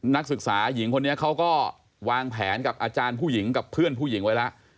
นักศึกษาหญิงคนนี้เขาก็วางแผนกับอาจารย์ผู้หญิงกับเพื่อนผู้หญิงไว้แล้ว